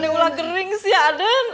udah pulang gering sih aden